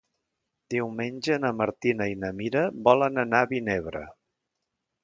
Diumenge na Martina i na Mira volen anar a Vinebre.